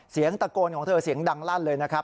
เสียงตะโกนของเธอเสียงดังลั่นเลยนะครับ